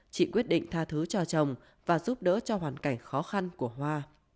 chị quyết định tha thứ cho chồng và giúp đỡ cho hoàn cảnh khó khăn của hoa